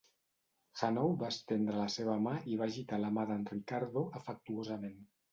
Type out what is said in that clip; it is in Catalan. Hanaud va estendre la seva mà i va agitar la mà de"n Ricardo afectuosament.